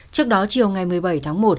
trước đó chiều ngày một mươi bảy tháng một